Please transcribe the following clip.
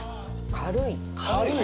軽い。